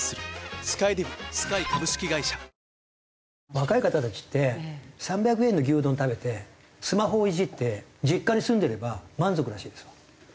若い方たちって３００円の牛丼食べてスマホをいじって実家に住んでれば満足らしいです。